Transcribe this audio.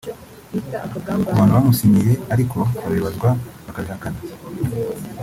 Ku bantu bamusinyiye ariko babibazwa bakabihakana